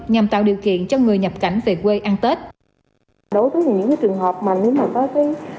nhằm tạo điều kiện cho người nhập cảnh về quê ăn tết đối với những cái trường hợp mà nếu mà có cái